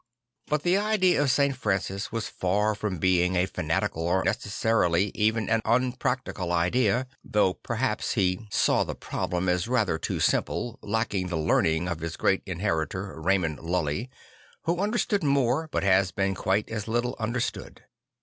But the idea of St. Francis was far from being a fanatical or necessarily even an unpractical idea; though perhaps he 14 2 St. Francis of Assisi saw the problem as rather too simple, lacking the learning of his great inheritor Raymond Lul1y, who understood more but has been quite as Ii ttle understood.